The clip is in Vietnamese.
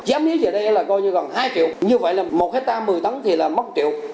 giá mía giờ đây là coi như gần hai triệu như vậy là một hectare một mươi tấn thì là mốc triệu